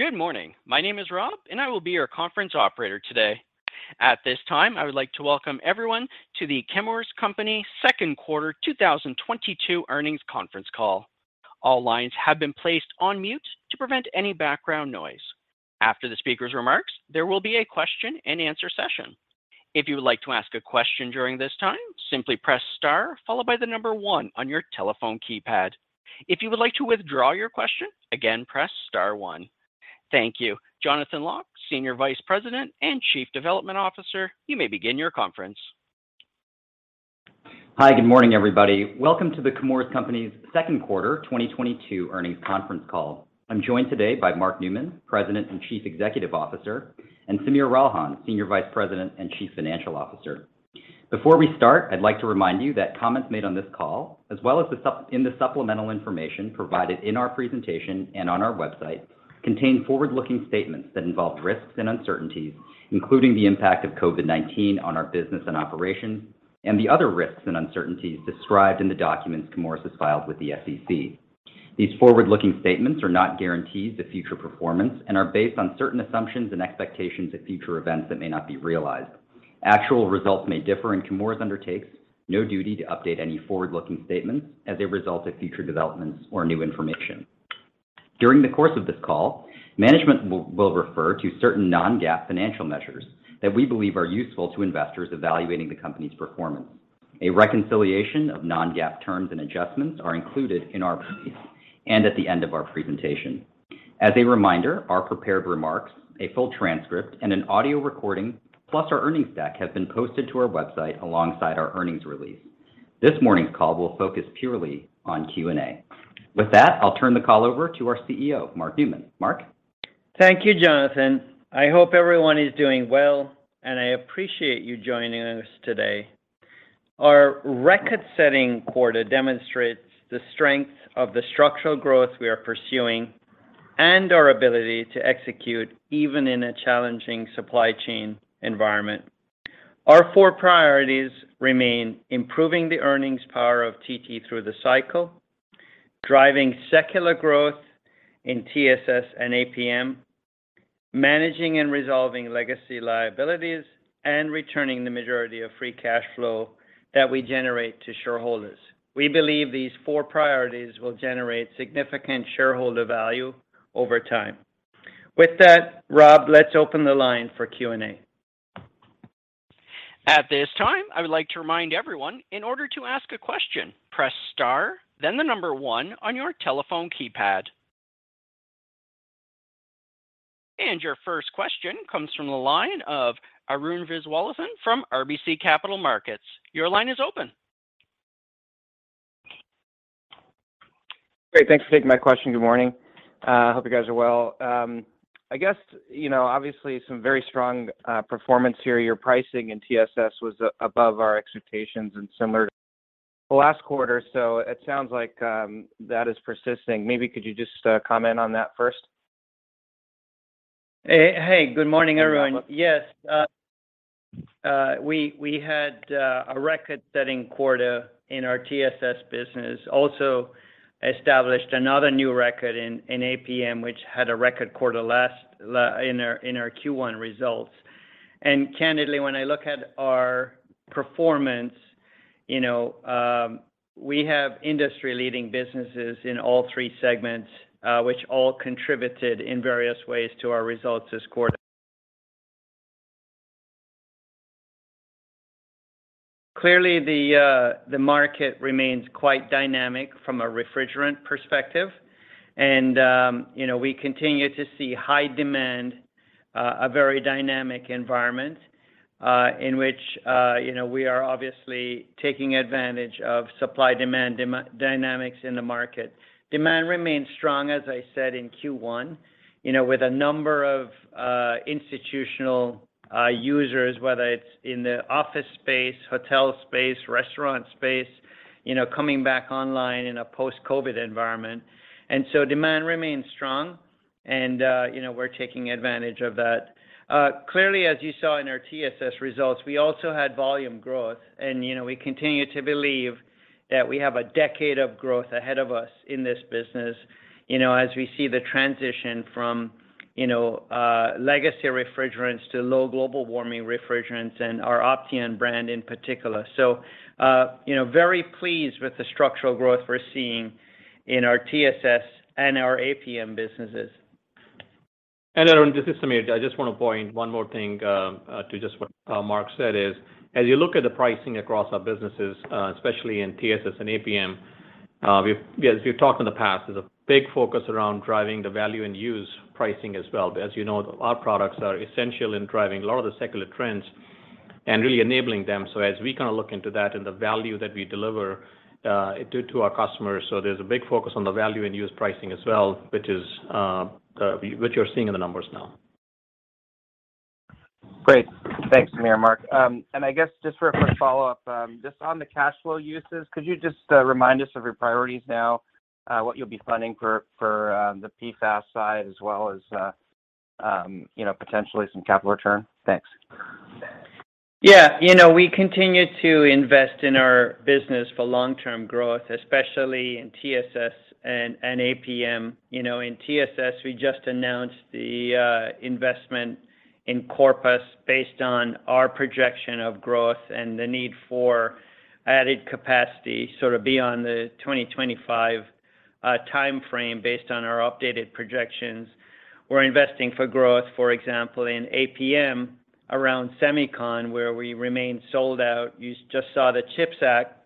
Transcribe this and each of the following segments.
Good morning. My name is Rob, and I will be your conference operator today. At this time, I would like to welcome everyone to The Chemours Company Q2 2022 earnings conference call. All lines have been placed on mute to prevent any background noise. After the speaker's remarks, there will be a question and answer session. If you would like to ask a question during this time, simply press star followed by the number one on your telephone keypad. If you would like to withdraw your question, again, press star one. Thank you. Jonathan Lock, Senior Vice President and Chief Development Officer, you may begin your conference. Hi. Good morning, everybody. Welcome to The Chemours Company's Q2 2022 earnings conference call. I'm joined today by Mark Newman, President and Chief Executive Officer, and Sameer Ralhan, Senior Vice President and Chief Financial Officer. Before we start, I'd like to remind you that comments made on this call, as well as in the supplemental information provided in our presentation and on our website, contain forward-looking statements that involve risks and uncertainties, including the impact of COVID-19 on our business and operations, and the other risks and uncertainties described in the documents Chemours has filed with the SEC. These forward-looking statements are not guarantees of future performance and are based on certain assumptions and expectations of future events that may not be realized. Actual results may differ, and Chemours undertakes no duty to update any forward-looking statements as a result of future developments or new information. During the course of this call, management will refer to certain non-GAAP financial measures that we believe are useful to investors evaluating the company's performance. A reconciliation of non-GAAP terms and adjustments are included in our release and at the end of our presentation. As a reminder, our prepared remarks, a full transcript, and an audio recording, plus our earnings deck, have been posted to our website alongside our earnings release. This morning's call will focus purely on Q&A. With that, I'll turn the call over to our CEO, Mark Newman. Mark? Thank you, Jonathan. I hope everyone is doing well, and I appreciate you joining us today. Our record-setting quarter demonstrates the strength of the structural growth we are pursuing and our ability to execute even in a challenging supply chain environment. Our four priorities remain improving the earnings power of TT through the cycle, driving secular growth in TSS and APM, managing and resolving legacy liabilities, and returning the majority of free cash flow that we generate to shareholders. We believe these four priorities will generate significant shareholder value over time. With that, Rob, let's open the line for Q&A. At this time, I would like to remind everyone, in order to ask a question, press star, then the number one on your telephone keypad. Your first question comes from the line of Arun Viswanathan from RBC Capital Markets. Your line is open. Great. Thanks for taking my question. Good morning. Hope you guys are well. I guess, you know, obviously some very strong performance here. Your pricing in TSS was above our expectations and similar to the last quarter. It sounds like that is persisting. Maybe could you just comment on that first? Hey, good morning, everyone. Good morning. Yes. We had a record-setting quarter in our TSS business. Also established another new record in APM, which had a record quarter in our Q1 results. Candidly, when I look at our performance, you know, we have industry-leading businesses in all three segments, which all contributed in various ways to our results this quarter. Clearly, the market remains quite dynamic from a refrigerant perspective and, you know, we continue to see high demand, a very dynamic environment, in which, you know, we are obviously taking advantage of supply-demand dynamics in the market. Demand remains strong, as I said, in Q1, you know, with a number of institutional users, whether it's in the office space, hotel space, restaurant space, you know, coming back online in a post-COVID environment. Demand remains strong and, you know, we're taking advantage of that. Clearly, as you saw in our TSS results, we also had volume growth and, you know, we continue to believe that we have a decade of growth ahead of us in this business, you know, as we see the transition from, you know, legacy refrigerants to low global warming refrigerants and our Opteon brand in particular. You know, very pleased with the structural growth we're seeing in our TSS and our APM businesses. Arun Viswanathan, this is Sameer Ralhan. I just want to point one more thing to just what Mark Newman said is, as you look at the pricing across our businesses, especially in TSS and APM, we've, as we've talked in the past, there's a big focus around driving the value and use pricing as well. As you know, our products are essential in driving a lot of the secular trends and really enabling them. As we kind of look into that and the value that we deliver to our customers, there's a big focus on the value and use pricing as well, which you're seeing in the numbers now. Great. Thanks, Sameer and Mark. I guess just for a quick follow-up, just on the cash flow uses, could you just remind us of your priorities now, what you'll be funding for the PFAS side as well as you know, potentially some capital return? Thanks. Yeah. You know, we continue to invest in our business for long-term growth, especially in TSS and APM. You know, in TSS, we just announced the investment in Corpus based on our projection of growth and the need for added capacity sort of beyond the 2025 timeframe based on our updated projections. We're investing for growth, for example, in APM around semicon, where we remain sold out. You just saw the CHIPS Act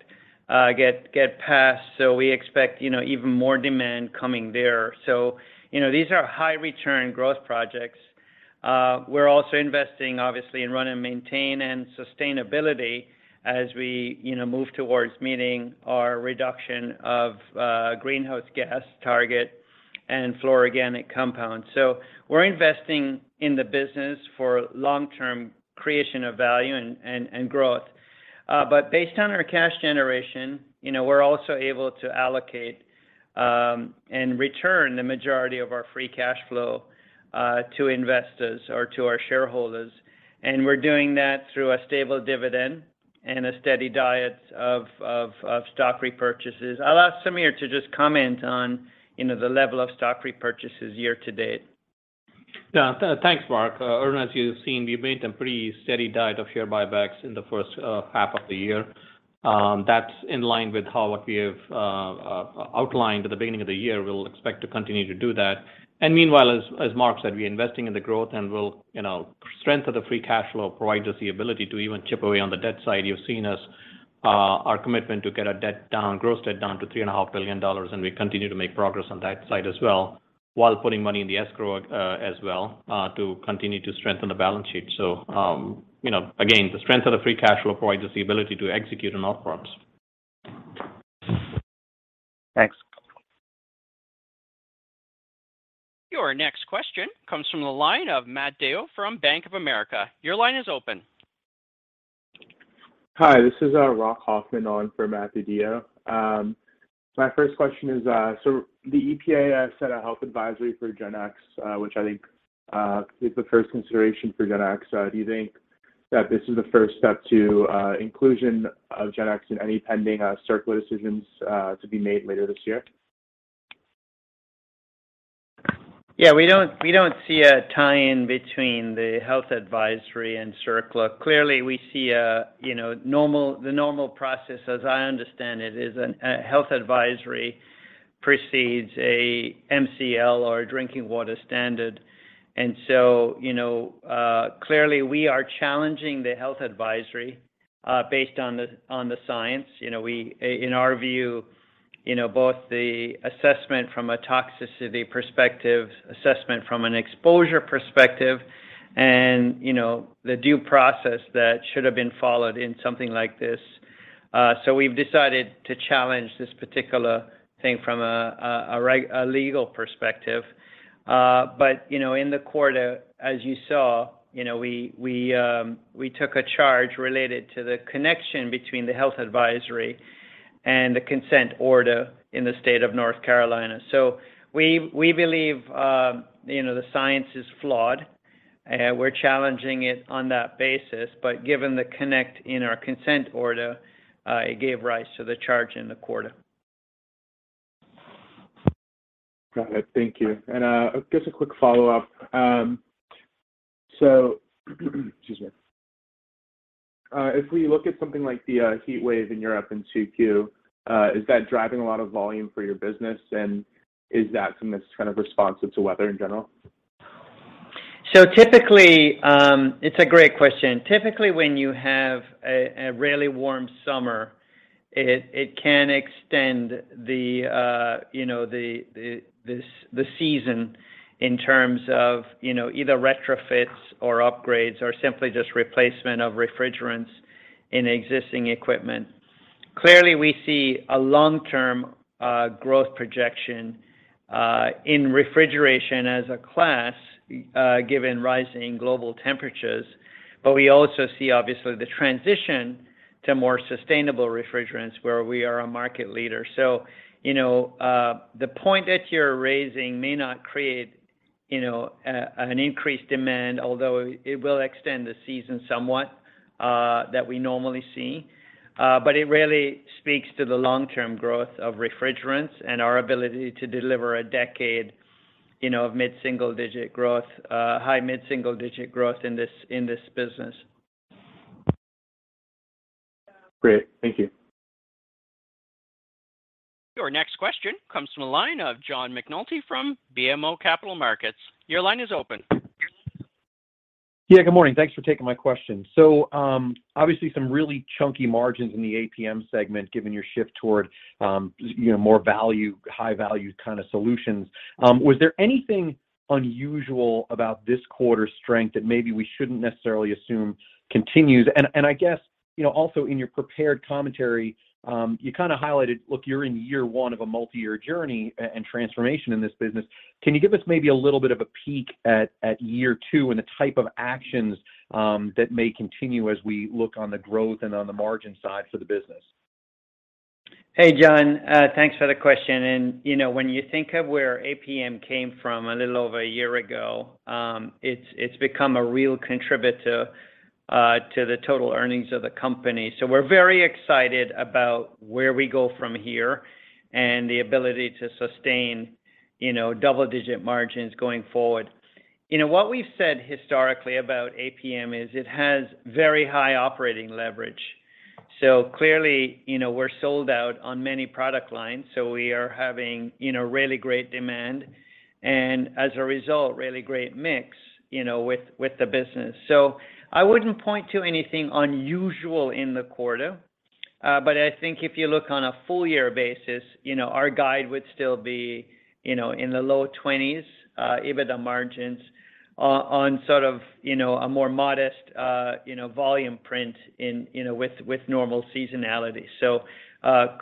get passed, so we expect, you know, even more demand coming there. You know, these are high return growth projects. We're also investing, obviously, in run-and-maintain and sustainability as we, you know, move towards meeting our reduction of greenhouse gas target and fluorinated organic compounds. We're investing in the business for long-term creation of value and growth. based on our cash generation, you know, we're also able to allocate and return the majority of our free cash flow to investors or to our shareholders. We're doing that through a stable dividend and a steady diet of stock repurchases. I'll ask Sameer to just comment on, you know, the level of stock repurchases year-to-date. Thanks, Mark. Arun, as you've seen, we've made a pretty steady diet of share buybacks in the first half of the year. That's in line with what we have outlined at the beginning of the year. We'll expect to continue to do that. Meanwhile, as Mark said, we're investing in the growth, and we'll, you know, strengthen the free cash flow, provides us the ability to even chip away on the debt side. You've seen us, our commitment to get our debt down, gross debt down to $3.5 billion, and we continue to make progress on that side as well, while putting money in the escrow, as well, to continue to strengthen the balance sheet. You know, again, the strength of the free cash flow provides us the ability to execute on all fronts. Thanks. Your next question comes from the line of Matthew DeYoe from Bank of America. Your line is open. Hi, this is Rock Hoffman on for Matthew DeYoe. My first question is, the EPA has set a health advisory for GenX, which I think is the first consideration for GenX. Do you think that this is the first step to inclusion of GenX in any pending CERCLA decisions to be made later this year? Yeah, we don't see a tie-in between the health advisory and CERCLA. Clearly, we see you know the normal process, as I understand it, is a health advisory precedes a MCL or a drinking water standard. You know clearly we are challenging the health advisory based on the science. You know in our view you know both the assessment from a toxicity perspective, assessment from an exposure perspective and you know the due process that should have been followed in something like this. We've decided to challenge this particular thing from a legal perspective. You know in the quarter, as you saw, you know we took a charge related to the connection between the health advisory and the consent order in the state of North Carolina. We believe, you know, the science is flawed. We're challenging it on that basis, but given the context in our consent order, it gave rise to the charge in the quarter. Got it. Thank you. Just a quick follow-up. Excuse me. If we look at something like the heat wave in Europe in 2Q, is that driving a lot of volume for your business? Is that something that's kind of responsive to weather in general? It's a great question. Typically, when you have a really warm summer, it can extend the season in terms of, you know, either retrofits or upgrades or simply just replacement of refrigerants in existing equipment. Clearly, we see a long-term growth projection in refrigeration as a class given rising global temperatures. We also see obviously the transition to more sustainable refrigerants where we are a market leader. You know, the point that you're raising may not create, you know, an increased demand, although it will extend the season somewhat that we normally see. It really speaks to the long-term growth of refrigerants and our ability to deliver a decade, you know, of mid-single digit growth, high mid-single digit growth in this business. Great. Thank you. Your next question comes from the line of John McNulty from BMO Capital Markets. Your line is open. Yeah. Good morning. Thanks for taking my question. Obviously some really chunky margins in the APM segment, given your shift toward, you know, more value, high-value kind of solutions. Was there anything unusual about this quarter's strength that maybe we shouldn't necessarily assume continues? I guess, you know, also in your prepared commentary, you kind of highlighted, look, you're in year one of a multi-year journey and transformation in this business. Can you give us maybe a little bit of a peek at year two and the type of actions that may continue as we look on the growth and on the margin side for the business? Hey, John. Thanks for the question. You know, when you think of where APM came from a little over a year ago, it's become a real contributor to the total earnings of the company. We're very excited about where we go from here and the ability to sustain, you know, double-digit margins going forward. You know, what we've said historically about APM is it has very high operating leverage. Clearly, you know, we're sold out on many product lines, so we are having, you know, really great demand and as a result, really great mix, you know, with the business. I wouldn't point to anything unusual in the quarter. I think if you look on a full year basis, you know, our guide would still be, you know, in the low 20s% EBITDA margins on sort of, you know, a more modest, you know, volume print in, you know, with normal seasonality.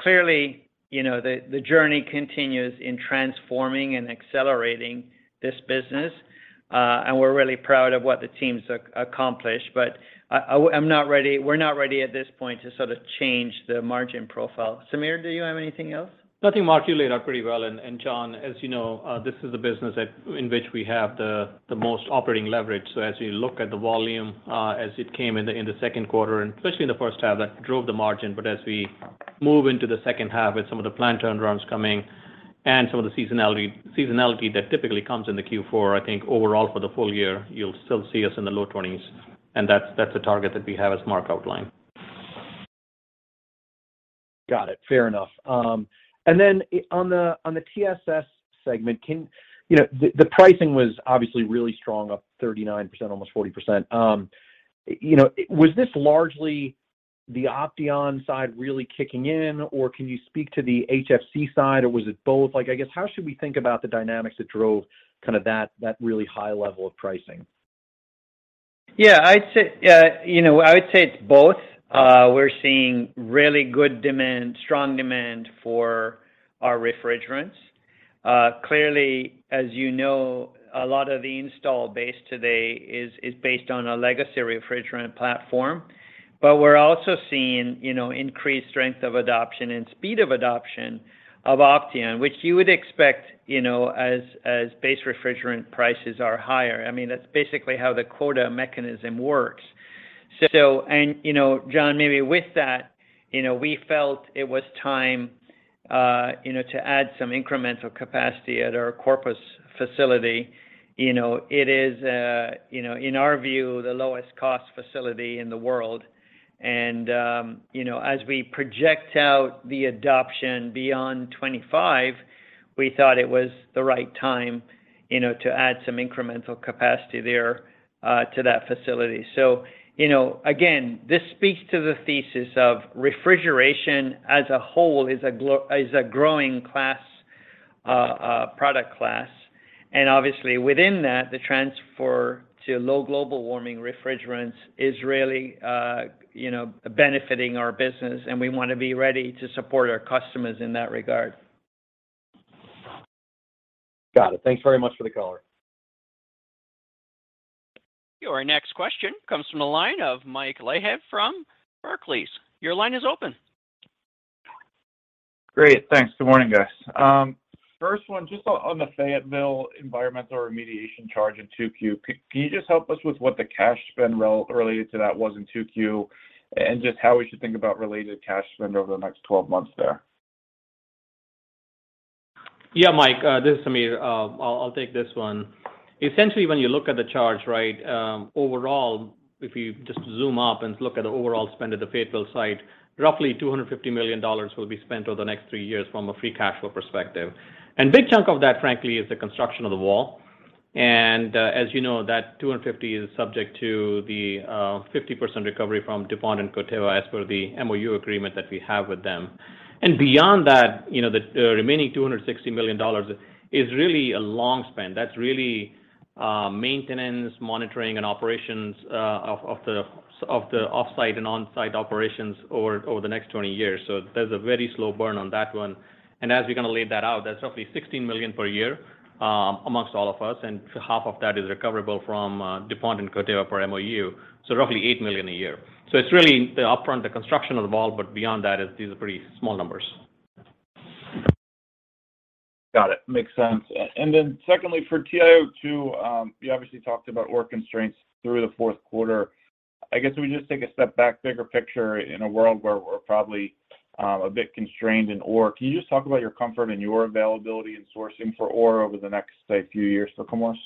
Clearly, you know, the journey continues in transforming and accelerating this business, and we're really proud of what the team's accomplished. I'm not ready. We're not ready at this point to sort of change the margin profile. Sameer, do you have anything else? Nothing. Mark, you laid out pretty well. John, as you know, this is a business that in which we have the most operating leverage. As you look at the volume, as it came in the Q2, and especially in the first half, that drove the margin. As we move into the second half with some of the plant turnarounds coming and some of the seasonality that typically comes in the Q4, I think overall for the full year, you'll still see us in the low 20s%. That's the target that we have as Mark outlined. Got it. Fair enough. On the TSS segment, you know, the pricing was obviously really strong, up 39%, almost 40%. You know, was this largely the Opteon side really kicking in, or can you speak to the HFC side, or was it both? Like, I guess, how should we think about the dynamics that drove kind of that really high level of pricing? Yeah, I'd say you know, I would say it's both. We're seeing really good demand, strong demand for our refrigerants. Clearly, as you know, a lot of the install base today is based on a legacy refrigerant platform. But we're also seeing, you know, increased strength of adoption and speed of adoption of Opteon, which you would expect, you know, as base refrigerant prices are higher. I mean, that's basically how the quota mechanism works. You know, John, maybe with that, you know, we felt it was time, you know, to add some incremental capacity at our Corpus facility. You know, it is, you know, in our view, the lowest cost facility in the world. You know, as we project out the adoption beyond 25, we thought it was the right time, you know, to add some incremental capacity there, to that facility. You know, again, this speaks to the thesis of refrigeration as a whole is a growing class, product class. Obviously within that, the transfer to low global warming refrigerants is really, you know, benefiting our business, and we wanna be ready to support our customers in that regard. Got it. Thanks very much for the color. Your next question comes from the line of Mike Leithead from Barclays. Your line is open. Great. Thanks. Good morning, guys. First one, just on the Fayetteville environmental remediation charge in 2Q. Can you just help us with what the cash spend related to that was in 2Q, and just how we should think about related cash spend over the next 12 months there? Yeah, Mike, this is Sameer I'll take this one. Essentially, when you look at the charge, right, overall, if you just zoom up and look at the overall spend of the Fayetteville site, roughly $250 million will be spent over the next three years from a free cash flow perspective. Big chunk of that, frankly, is the construction of the wall. As you know, that $250 million is subject to the 50% recovery from DuPont and Corteva as per the MOU agreement that we have with them. Beyond that, you know, the remaining $260 million is really a long spend. That's really maintenance, monitoring, and operations of the offsite and onsite operations over the next 20 years. There's a very slow burn on that one. As we kind of laid that out, that's roughly $16 million per year amongst all of us, and half of that is recoverable from DuPont and Corteva per MOU. Roughly $8 million a year. It's really the upfront, the construction of the wall, but beyond that, these are pretty small numbers. Got it. Makes sense. Secondly, for TiO2, you obviously talked about ore constraints through the Q4. I guess if we just take a step back, bigger picture in a world where we're probably a bit constrained in ore. Can you just talk about your comfort and your availability and sourcing for ore over the next, say, few years for Chemours?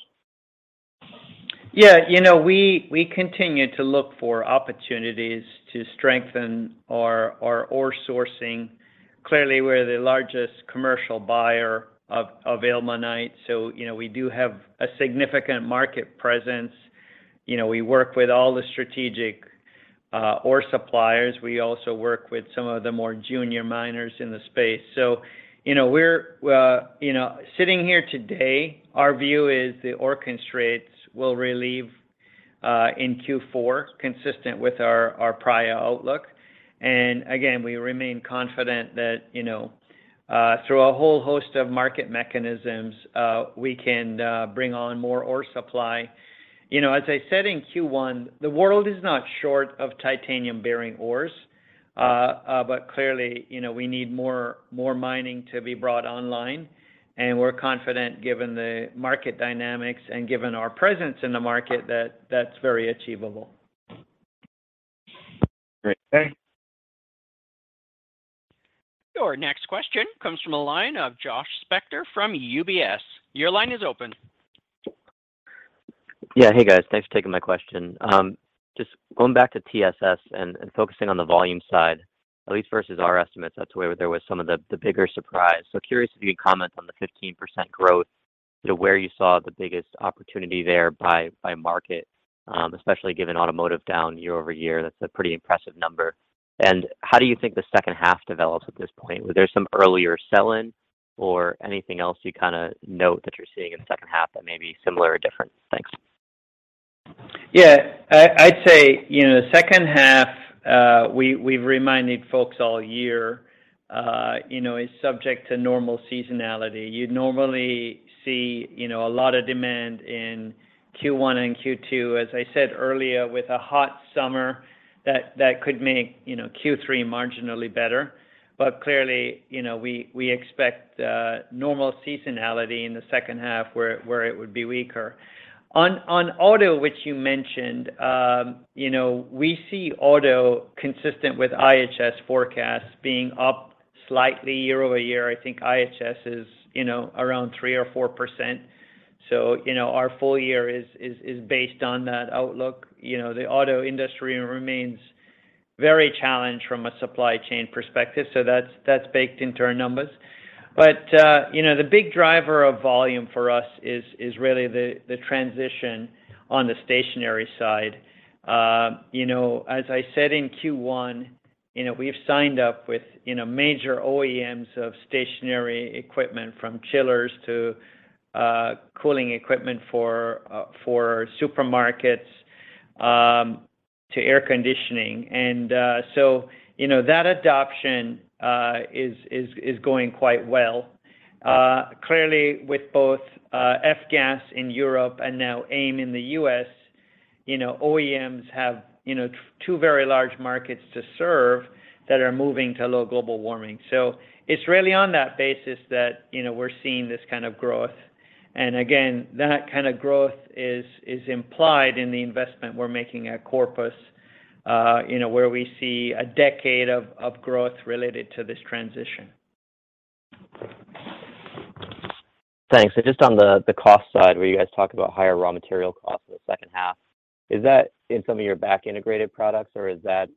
Yeah. You know, we continue to look for opportunities to strengthen our ore sourcing. Clearly, we're the largest commercial buyer of ilmenite, so you know, we do have a significant market presence. You know, we work with all the strategic ore suppliers. We also work with some of the more junior miners in the space. You know, we're sitting here today, our view is the ore constraints will relieve in Q4, consistent with our prior outlook. Again, we remain confident that you know, through a whole host of market mechanisms, we can bring on more ore supply. You know, as I said in Q1, the world is not short of titanium-bearing ores, but clearly, you know, we need more mining to be brought online, and we're confident given the market dynamics and given our presence in the market, that that's very achievable. Great. Thanks. Your next question comes from the line of Josh Spector from UBS. Your line is open. Yeah. Hey, guys. Thanks for taking my question. Just going back to TSS and focusing on the volume side, at least versus our estimates, that's where there was some of the bigger surprise. Curious if you could comment on the 15% growth, you know, where you saw the biggest opportunity there by market, especially given automotive down year-over-year. That's a pretty impressive number. How do you think the second half develops at this point? Was there some earlier sell-in or anything else you kinda note that you're seeing in the second half that may be similar or different? Thanks. Yeah. I'd say, you know, the second half, we've reminded folks all year, you know, is subject to normal seasonality. You'd normally see, you know, a lot of demand in Q1 and Q2, as I said earlier, with a hot summer that could make, you know, Q3 marginally better. Clearly, you know, we expect normal seasonality in the second half where it would be weaker. On auto, which you mentioned, you know, we see auto consistent with IHS forecasts being up slightly year-over-year. I think IHS is, you know, around 3% or 4%. You know, our full year is based on that outlook. You know, the auto industry remains very challenged from a supply chain perspective, so that's baked into our numbers. The big driver of volume for us is really the transition on the stationary side. You know, as I said in Q1, you know, we've signed up with you know major OEMs of stationary equipment from chillers to cooling equipment for supermarkets to air conditioning. You know, that adoption is going quite well. Clearly, with both F-Gas in Europe and now AIM in the U.S., you know, OEMs have you know two very large markets to serve that are moving to low global warming. It's really on that basis that you know we're seeing this kind of growth. Again, that kind of growth is implied in the investment we're making at Corpus, you know, where we see a decade of growth related to this transition. Thanks. Just on the cost side, where you guys talk about higher raw material costs in the second half, is that in some of your back-integrated products, or is that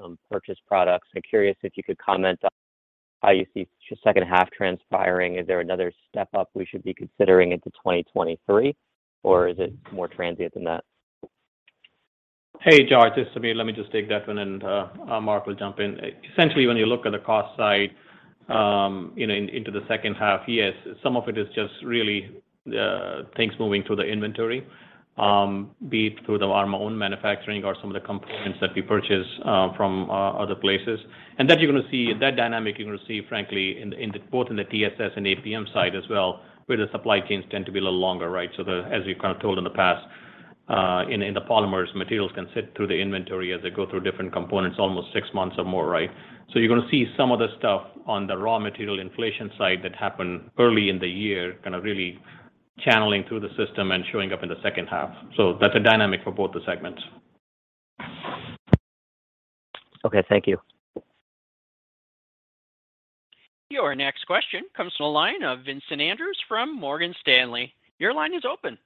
some purchase products? I'm curious if you could comment on how you see second half transpiring. Is there another step-up we should be considering into 2023, or is it more transient than that? Hey, Josh, it's Sameer. Let me just take that one, and Mark will jump in. Essentially, when you look at the cost side, you know, into the second half, yes, some of it is just really things moving through the inventory, be it through our own manufacturing or some of the components that we purchase from other places. That dynamic you're gonna see, frankly, in both the TSS and APM side as well, where the supply chains tend to be a little longer, right? As we've kind of told in the past, in the polymers, materials can sit through the inventory as they go through different components, almost six months or more, right? You're gonna see some of the stuff on the raw material inflation side that happened early in the year kind of really channeling through the system and showing up in the second half. That's a dynamic for both the segments. Okay, thank you. Your next question comes from the line of Vincent Andrews from Morgan Stanley. Your line is open.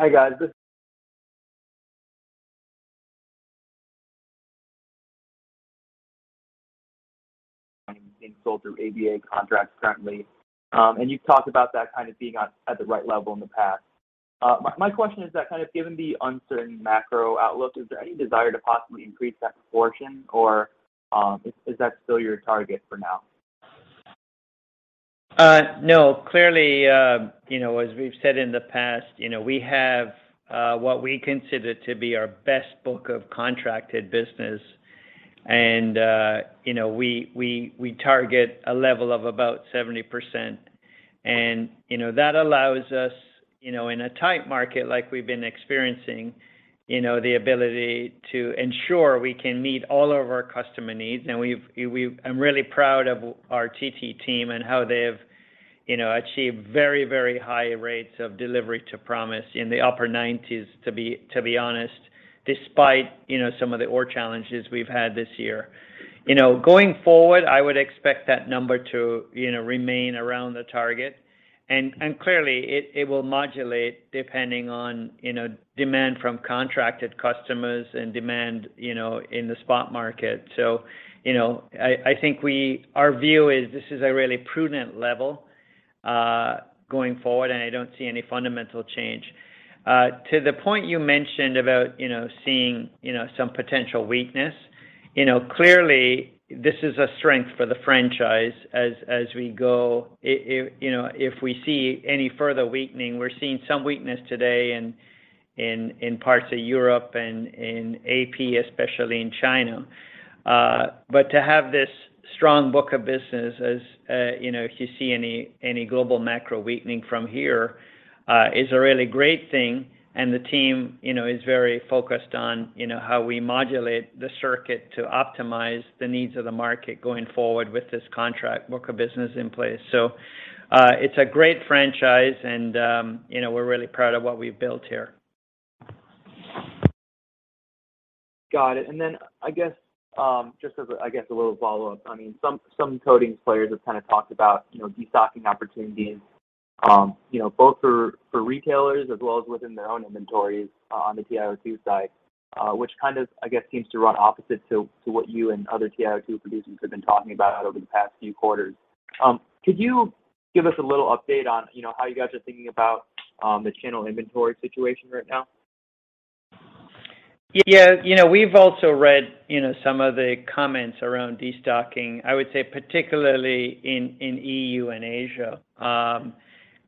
Hi, guys. This is being sold through APA contracts currently. You've talked about that kind of being at the right level in the past. My question is that kind of given the uncertain macro outlook, is there any desire to possibly increase that proportion, or, is that still your target for now? No. Clearly, you know, as we've said in the past, you know, we have what we consider to be our best book of contracted business. You know, we target a level of about 70%. You know, that allows us, you know, in a tight market like we've been experiencing, you know, the ability to ensure we can meet all of our customer needs. I'm really proud of our TT team and how they've, you know, achieved very high rates of delivery to promise in the upper 90s, to be honest, despite, you know, some of the ore challenges we've had this year. You know, going forward, I would expect that number to, you know, remain around the target. Clearly, it will modulate depending on, you know, demand from contracted customers and demand, you know, in the spot market. You know, I think our view is this is a really prudent level going forward, and I don't see any fundamental change. To the point you mentioned about, you know, seeing, you know, some potential weakness, you know, clearly this is a strength for the franchise as we go. I, you know, if we see any further weakening, we're seeing some weakness today in parts of Europe and in APAC, especially in China. To have this strong book of business as, you know, if you see any global macro weakening from here is a really great thing. The team, you know, is very focused on, you know, how we modulate the circuit to optimize the needs of the market going forward with this contract book of business in place. It's a great franchise, and, you know, we're really proud of what we've built here. Got it. I guess, just as, I guess, a little follow-up. I mean, some coatings players have kinda talked about, you know, destocking opportunities, you know, both for retailers as well as within their own inventories on the TiO2 side, which kind of, I guess, seems to run opposite to what you and other TiO2 producers have been talking about over the past few quarters. Could you give us a little update on, you know, how you guys are thinking about the channel inventory situation right now? Yeah. You know, we've also read, you know, some of the comments around destocking. I would say particularly in EU and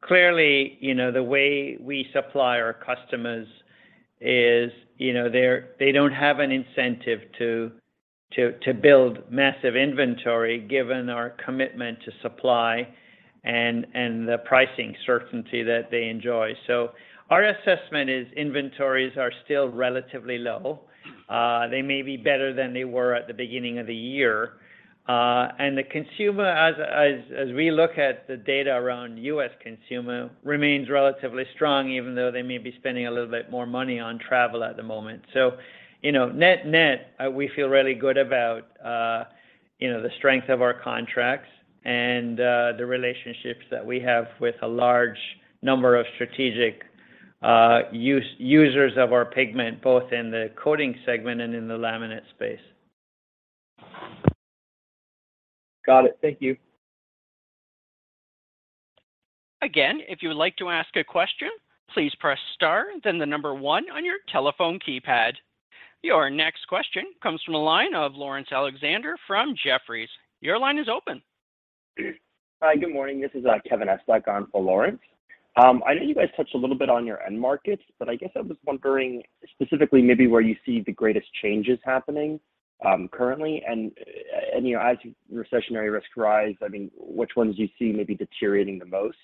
Asia. Clearly, you know, the way we supply our customers is, you know, they don't have an incentive to build massive inventory given our commitment to supply and the pricing certainty that they enjoy. Our assessment is inventories are still relatively low. They may be better than they were at the beginning of the year. The consumer, as we look at the data around U.S. consumer, remains relatively strong, even though they may be spending a little bit more money on travel at the moment. you know, net-net, we feel really good about, you know, the strength of our contracts and the relationships that we have with a large number of strategic users of our pigment, both in the coatings segment and in the laminate space. Got it. Thank you. Again, if you would like to ask a question, please press star then the number one on your telephone keypad. Your next question comes from the line of Laurence Alexander from Jefferies. Your line is open. Hi, good morning. This is Kevin Estok on for Laurence. I know you guys touched a little bit on your end markets, but I guess I was wondering specifically maybe where you see the greatest changes happening, currently, and you know, as recessionary risk rise, I mean, which ones do you see maybe deteriorating the most?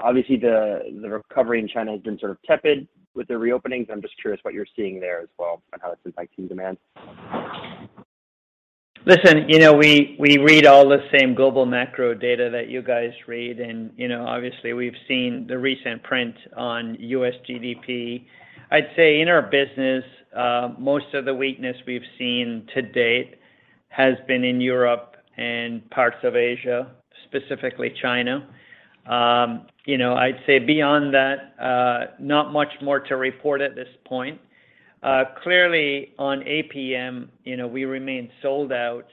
Obviously the recovery in China has been sort of tepid with the re-openings. I'm just curious what you're seeing there as well and how it's impacting demand. Listen, you know, we read all the same global macro data that you guys read and, you know, obviously we've seen the recent print on U.S. GDP. I'd say in our business, most of the weakness we've seen to date has been in Europe and parts of Asia, specifically China. You know, I'd say beyond that, not much more to report at this point. Clearly on APM, you know, we remain sold out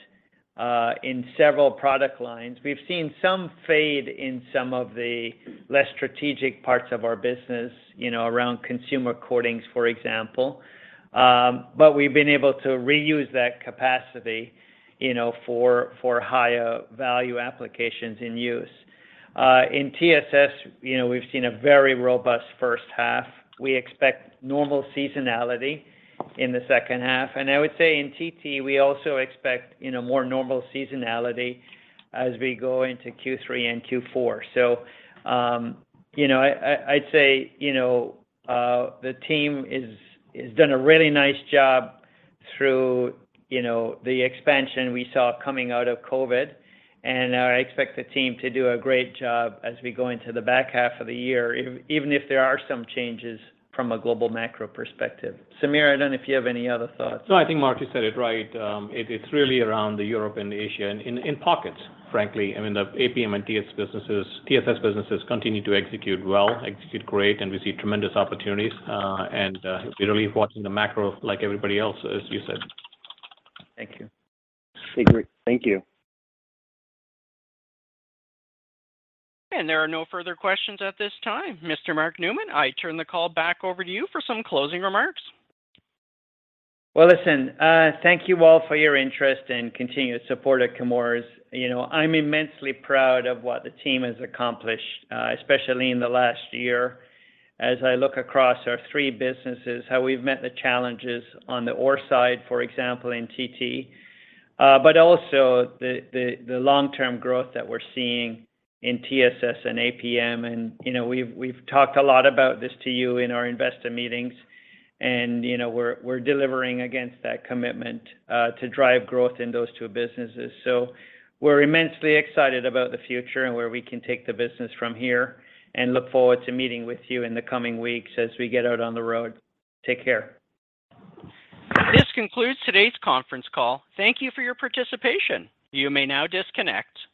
in several product lines. We've seen some fade in some of the less strategic parts of our business, you know, around consumer coatings, for example. We've been able to reuse that capacity, you know, for higher value applications in use. In TSS, you know, we've seen a very robust first half. We expect normal seasonality in the second half. I would say in TT, we also expect, you know, more normal seasonality as we go into Q3 and Q4. You know, I'd say, you know, the team has done a really nice job through, you know, the expansion we saw coming out of COVID, and I expect the team to do a great job as we go into the back half of the year, even if there are some changes from a global macro perspective. Sameer, I don't know if you have any other thoughts. No, I think Mark just said it right. It's really around Europe and Asia in pockets, frankly. I mean, the APM and TSS businesses continue to execute well, great, and we see tremendous opportunities, and we're really watching the macro like everybody else, as you said. Thank you. Great. Thank you. There are no further questions at this time. Mr. Mark Newman, I turn the call back over to you for some closing remarks. Well, listen, thank you all for your interest and continuous support at Chemours. You know, I'm immensely proud of what the team has accomplished, especially in the last year as I look across our three businesses, how we've met the challenges on the ore side, for example, in TT, but also the long-term growth that we're seeing in TSS and APM and, you know, we've talked a lot about this to you in our investor meetings and, you know, we're delivering against that commitment to drive growth in those two businesses. We're immensely excited about the future and where we can take the business from here, and look forward to meeting with you in the coming weeks as we get out on the road. Take care. This concludes today's conference call. Thank you for your participation. You may now disconnect.